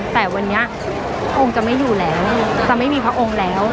แต่วันนี้พระองค์จะไม่อยู่แล้วจะไม่มีพระองค์แล้ว